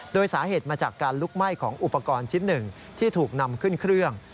โดยสาเหตุมาจากการลุกไหม้ของอุปกรณ์ชิ้นหนึ่งที่ถูกนำขึ้นเครื่อง